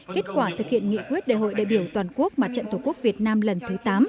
kết quả thực hiện nghị quyết đại hội đại biểu toàn quốc mặt trận tổ quốc việt nam lần thứ tám